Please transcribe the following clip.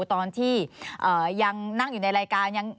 ตอนที่ยังนั่งอยู่ในรายการ